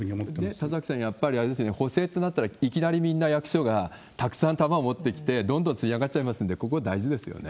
田崎さん、やっぱりあれですよね、補正となったらいきなりみんな役所がたくさん球を持ってきて、どんどんつり上がっちゃいますので、ここは大事ですよね。